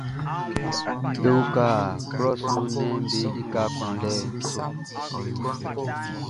Be uka klɔʼn su nnɛnʼm be likaʼm be kplanlɛʼn su.